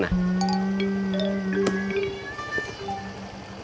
pegang beras aja kum